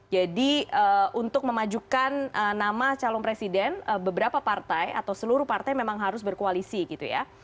jadi untuk memajukan nama calon presiden beberapa partai atau seluruh partai memang harus berkoalisi gitu ya